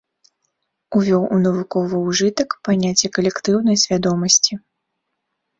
Увёў у навуковы ўжытак паняцце калектыўнай свядомасці.